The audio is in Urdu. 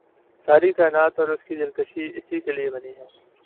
ساری کائنات اور اس کی دلکشی اس کے لیے بنی ہے